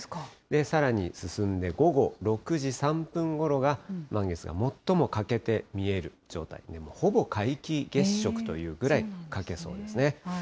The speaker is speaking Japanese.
さらに進んで午後６時３分ごろが満月が最も欠けて見える状態、ほぼ皆既月食というぐらい欠けそうですね。